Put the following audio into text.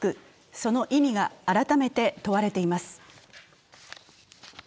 その意味が改めて問われています。